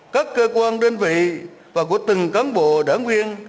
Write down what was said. các cơ quan đơn vị và của từng cán bộ đảng viên